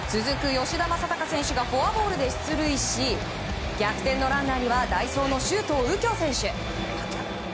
吉田正尚選手がフォアボールで出塁し逆転のランナーには代走の周東佑京選手。